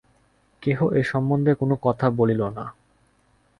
কেহ এ সম্বন্ধে কোনো কথা বলিল না।